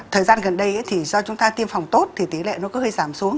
thời gian gần đây thì do chúng ta tiêm phòng tốt thì tỷ lệ nó có hơi giảm xuống